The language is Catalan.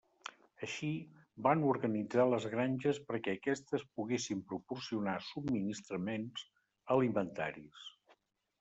Així, van organitzar les granges perquè aquestes poguessin proporcionar subministraments alimentaris.